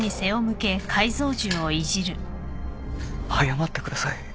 謝ってください。